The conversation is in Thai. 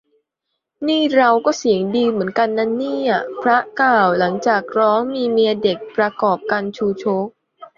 "นี่เราก็เสียงดีเหมือนกันนะเนี่ย" พระกล่าว หลังจากร้อง มีเมียเด็ก ประกอบกัณฑ์ชูชก